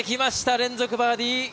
連続バーディー！